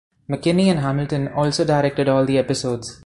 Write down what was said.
McKinney and Hamilton also directed all the episodes.